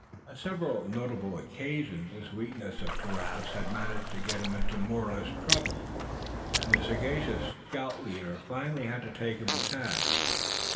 On several notable occasions this weakness of Giraffe's had managed to get him into more or less trouble; and the sagacious scout leader finally had to take him to task.